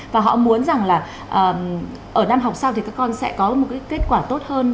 và họ muốn rằng là ở năm học sau thì các con sẽ có một cái kết quả tốt hơn